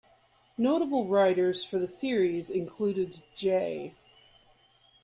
Notable writers for the series included J.